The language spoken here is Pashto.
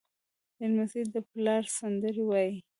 لمسی د پلار سندرې یادوي.